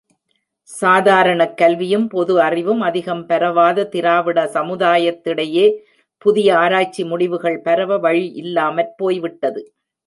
சாதாரணக் கல்வியும் பொது அறிவும் அதிகம் பரவாத திராவிட சமுதாயத்திடையே, புதிய ஆராய்ச்சி முடிவுகள் பரவ வழி இல்லாமற்போய்விட்டது.